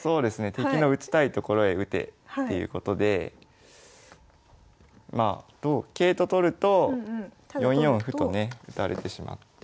「敵の打ちたいところへ打て」っていうことでまあ同桂と取ると４四歩とね打たれてしまって。